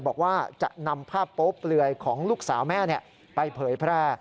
บอกว่าจะนำภาพโป๊เปลือยของลูกสาวแม่ไปเผยแพร่